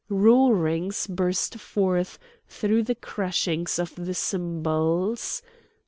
Roarings burst forth through the crashings of the cymbals.